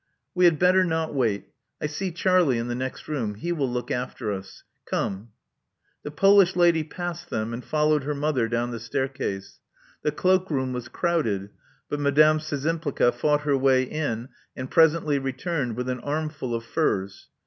We had better not wait I see Charlie in the next room : he will look after us. Come. *' The Polish lady passed them, and followed her mother down the staircase. The cloak room was crowded; but Madame Szczympliga fought her way in, and presently returned with an armful of furs.